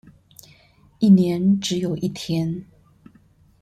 一年只有一天